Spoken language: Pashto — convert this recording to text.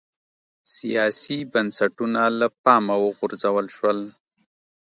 سیاسي بنسټونه له پامه وغورځول شول